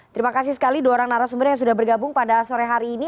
terima kasih sekali dua orang narasumber yang sudah bergabung pada sore hari ini